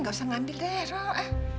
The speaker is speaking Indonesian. gak usah ngambil deh roh